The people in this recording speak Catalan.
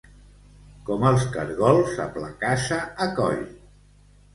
Com els caragols, amb la casa a coll.